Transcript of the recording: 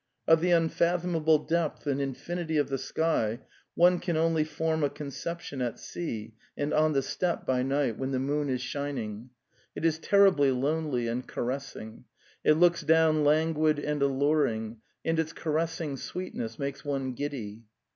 Of the unfathomable depth and infinity of the sky one can only form a conception at sea and on the steppe by night when the moon is shining. iD The Tales of Chekhov It is terribly lonely and caressing; it looks down languid and alluring, and its caressing sweetness makes one giddy.